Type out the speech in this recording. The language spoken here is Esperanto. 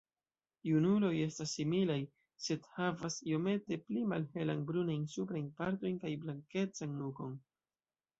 Junuloj estas similaj, sed havas iomete pli malhelan brunajn suprajn partojn kaj blankecan nukon.